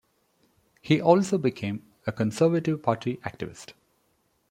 He also became a Conservative Party activist.